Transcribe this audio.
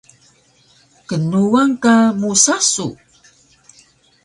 Knuwan ka musa su?